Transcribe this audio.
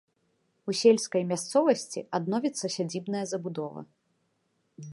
У сельскай мясцовасці адновіцца сядзібная забудова.